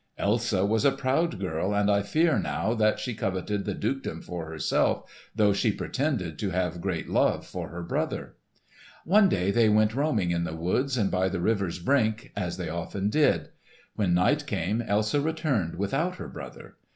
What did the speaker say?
Elsa was a proud girl, and I fear now that she coveted the dukedom for herself, though she pretended to have great love for her brother. "One day they went roaming in the woods and by the river's brink, as they often did. When night came, Elsa returned without her brother.